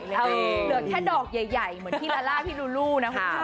เหลือแค่ดอกใหญ่เหมือนลาล่ารูลู